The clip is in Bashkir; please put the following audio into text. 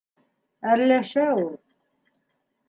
Әрләшә ул.